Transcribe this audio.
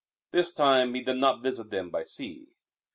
This time he did not visit them by sea.